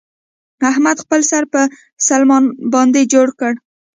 احمد خپل سر په سلمان باندې جوړ کړ.